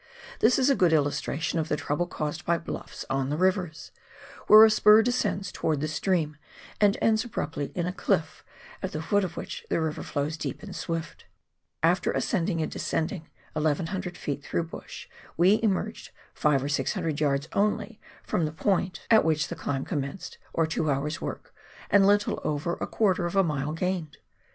This is a good illustration of the trouble caused by bluffs on the rivers, where a spur descends towards the stream, and ends abruptly in a cHff, at the foot of which the river flows deep and swift. After ascending and descending 1,100 ft. through bush, we emerged 500 or GOO yards only from the point at which the 222 PIONEEK WORK IN THE ALPS OF NEW ZEAXAND. climb commenced, or two hours' work and little over a quarter of a mile gained.